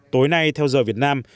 tối nay theo giờ việt nam